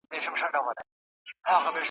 پر دې لاره چي وتلي زه یې شمع د مزار یم `